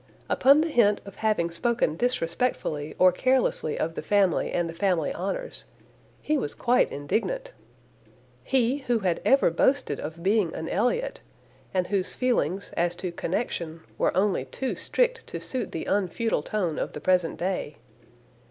Upon the hint of having spoken disrespectfully or carelessly of the family and the family honours, he was quite indignant. He, who had ever boasted of being an Elliot, and whose feelings, as to connection, were only too strict to suit the unfeudal tone of the present day.